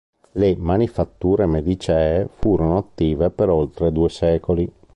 Le manifatture medicee furono attive per oltre due secoli.